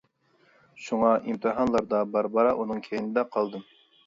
شۇڭا ئىمتىھانلاردا بارا-بارا ئۇنىڭ كەينىدە قالدىم.